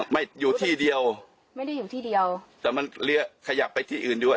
ไม่อยู่ที่เดียวไม่ได้อยู่ที่เดียวแต่มันเรือขยับไปที่อื่นด้วย